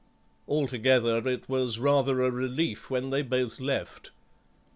Altogether it was rather a relief when they both left.